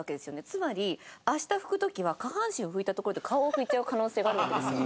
つまり明日拭く時は下半身を拭いた所で顔を拭いちゃう可能性があるわけですよ。